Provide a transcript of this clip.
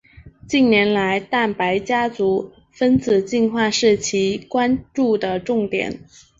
近年来蛋白家族分子进化是其关注的重点。